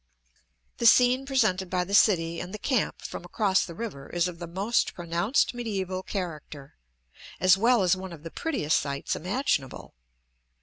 The scene presented by the city and the camp from across the river is of a most pronounced mediaeval character, as well as one of the prettiest sights imaginable.